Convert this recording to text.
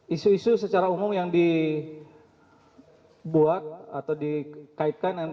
isu isu secara umum yang dibuat atau dikaitkan